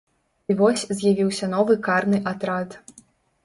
І вось з'явіўся новы карны атрад.